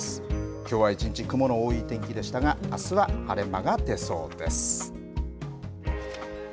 きょうは一日雲の多い天気でしたが、あすは晴れ間が出そうです。